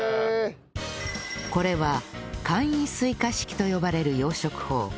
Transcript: これは簡易垂下式と呼ばれる養殖法